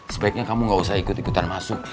sebaiknya kamu gak usah ikut ikutan masuk